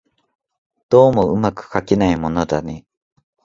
どうも巧くかけないものだね